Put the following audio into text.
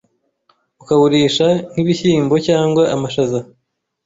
ukawurisha nk’ibishyimbo cyangwa amashaza.